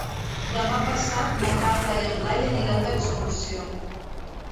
Demà passat na Carla i en Blai aniran d'excursió.